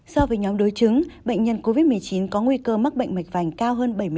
so với nhóm đối chứng bệnh nhân covid một mươi chín có nguy cơ mắc bệnh mạch vành cao hơn bảy mươi năm